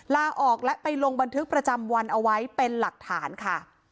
ลาออกและไปลงบันทึกประจำวันเอาไว้เป็นหลักฐานค่ะ